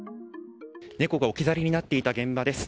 猫が置き去りになっていた現場です。